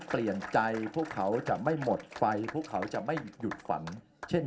เปลี่ยนใจพวกเขาจะไม่หมดไฟพวกเขาจะไม่หยุดฝันเช่น